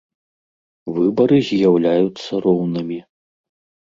Выбары з’яўляюцца роўнымі.